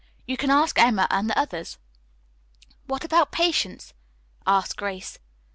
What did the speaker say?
You can ask Emma and the others." "What about Patience?" asked Grace.